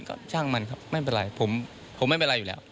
ก็ช่างมันครับไม่เป็นไรผมไม่เป็นไรอยู่แล้ว